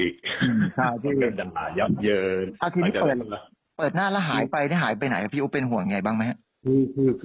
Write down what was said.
นี่ที่เปิดหน้าและหายไปที่หายไปไหนพี่เป็นห่วงไงบ้างไหม